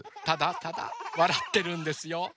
ただただわらってるんですよ。